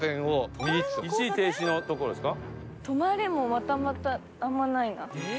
「止まれ」もまたまたあんまないな。